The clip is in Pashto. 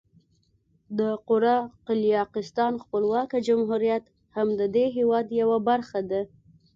د قره قالیاقستان خپلواکه جمهوریت هم د دې هېواد یوه برخه ده.